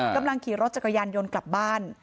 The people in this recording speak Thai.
กำลังขี่รถจักรยานยนต์กลับบ้าน